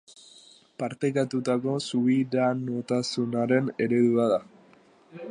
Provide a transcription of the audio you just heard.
Partekatutako subiranotasunaren eredua da.